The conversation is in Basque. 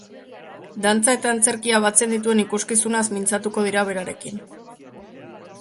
Dantza eta antzerkia batzen dituen ikuskizunaz mintzatuko dira berarekin.